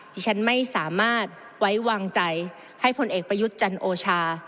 ที่ฉันไม่สามารถไว้วางใจให้พลเอกประยุทธ์จันโอชา